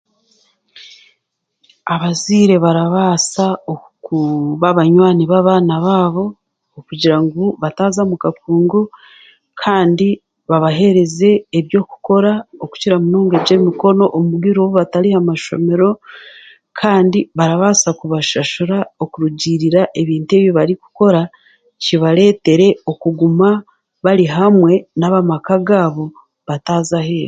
Abazaire barabaasa okuba banywani b'abaana baabo, okugira ngu bataaza mu kakungu, kandi babahereze eby'okukora okukira munonga eby'emikono omu bwire obu batari ha mashomero, kandi barabaasa kubashashura okurugiirira ebintu ebi barikukora kirbareetere okuguma bari hamwe n'abamaka gaabo bataaza aheeru.